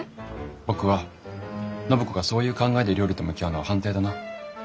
僕は暢子がそういう考えで料理と向き合うのは反対だな。